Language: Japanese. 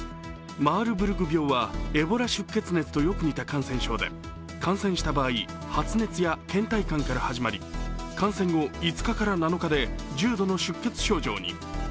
マールブルグ病はエボラ出血熱とよく似た感染症で感染した場合発熱や倦怠感から始まり感染後５日から７日で重度の出血症状に。